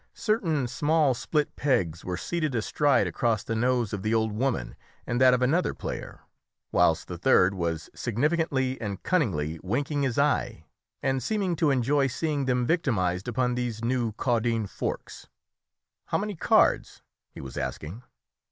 Certain small split pegs were seated astride across the nose of the old woman and that of another player, whilst the third was significantly and cunningly winking his eye and seeming to enjoy seeing them victimised upon these new Caudine Forks. "How many cards?" he was asking.